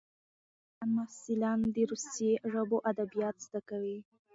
افغان محصلان د روسي ژبو ادبیات زده کوي.